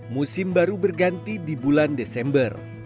musim baru berganti di bulan desember